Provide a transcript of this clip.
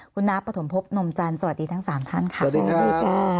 คุณนาปฐมภพนมจรสวัสดีทั้งสามท่านสวัสดีครับ